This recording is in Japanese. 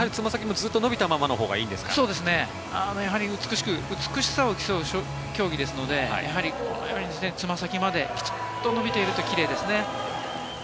ずっと伸びたままがよろしい美しさを競う競技ですので、このようにつま先まできちんと伸びているとキレイですね。